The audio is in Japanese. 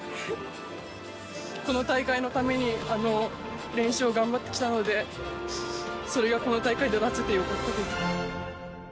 この大会のために練習を頑張ってきたので、それがこの大会で出せてよかったです。